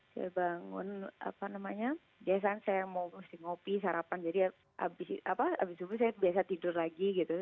saya bangun apa namanya biasanya saya mau musik ngopi sarapan jadi habis subuh saya biasa tidur lagi gitu